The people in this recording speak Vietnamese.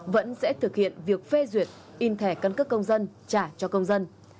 vẫn sẽ thực hiện việc phê duyệt in thẻ căn cước công dân trả cho công dân